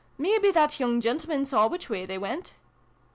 " Maybe that young gentleman saw which way they went